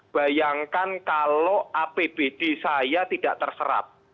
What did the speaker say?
bayangkan kalau apbd saya tidak terserap